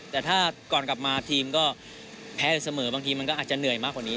แต่ถ้าก่อนกลับมาทีมก็แพ้อยู่เสมอบางทีมันก็อาจจะเหนื่อยมากกว่านี้